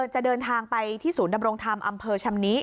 จะเดินทางไปที่ศูนย์ดำรงธรรมอำเภอชำนิ